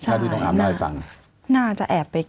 ใช่น่าจะแอบไป